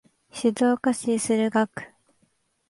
静岡市駿河区